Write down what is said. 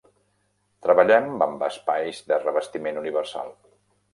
Treballem amb espais de revestiment universal.